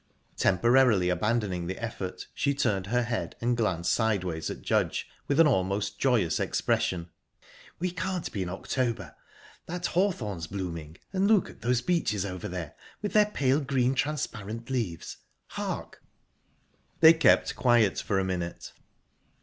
Temporarily abandoning the effort, she turned her head and glanced sideways at Judge, with an almost joyous expression. "We can't be in October. That hawthorn's blooming...and look at those beeches over there, with their pale green, transparent leaves...Hark!..." They kept quiet for a minute...